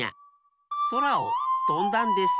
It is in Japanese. そらをとんだんです。